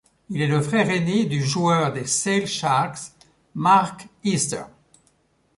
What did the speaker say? Il est le frère aîné du joueur des Sale Sharks Mark Easter.